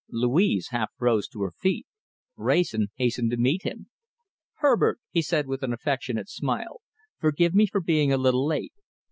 Louise half rose to her feet. Wrayson hastened to meet him. "Herbert," he said, with an affectionate smile, "forgive me for being a little late.